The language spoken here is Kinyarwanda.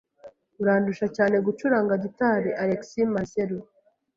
Urandusha cyane gucuranga gitari. (alexmarcelo)